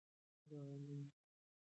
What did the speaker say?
د علومو اکاډمۍ هڅې د ستاینې وړ دي.